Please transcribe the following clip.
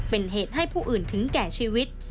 เป็นเหตุให้ผู้อื่นถึงแก่ชีวิต